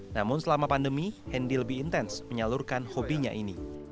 namun selama pandemi hendy lebih intens menyalurkan hobinya ini